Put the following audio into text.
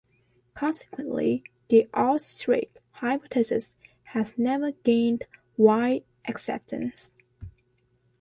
Consequently, the Austric hypothesis has never gained wide acceptance.